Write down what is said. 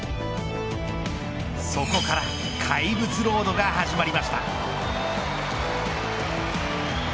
そこから怪物ロードが始まりました。